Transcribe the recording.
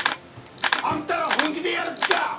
あんたら本気でやる気か？